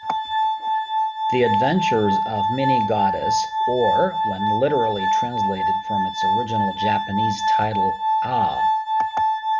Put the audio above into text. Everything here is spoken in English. "The Adventures of Mini-Goddess", or, when literally translated from its original Japanese title, "Ah!